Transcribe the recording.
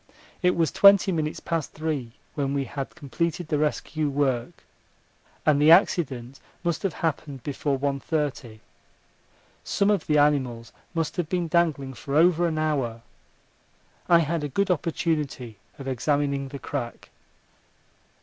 It was twenty minutes past three when we had completed the rescue work, and the accident must have happened before one thirty. Some of the animals must have been dangling for over an hour. I had a good opportunity of examining the crack.